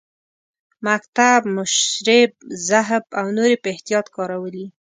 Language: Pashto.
مکتب، مشرب، ذهب او نور یې په احتیاط کارولي.